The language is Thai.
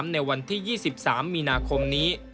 ในวันที่๒๓มีนาคมนี้